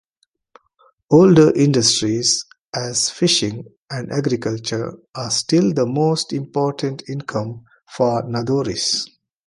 Older industries as fishing and agriculture are still the most important income for Nadoris.